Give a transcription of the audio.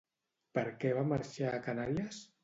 Per què va marxar a Canàries?